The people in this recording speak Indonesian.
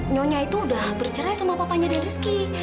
nyonya itu udah bercerai sama papanya dan rizky